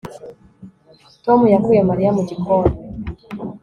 Tom yakuye Mariya mu gikoni